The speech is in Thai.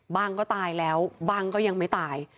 ก็ตายแล้วบ้างก็ยังไม่ตาย